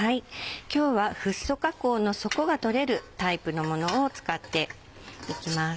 今日はフッ素加工の底が取れるタイプのものを使っていきます。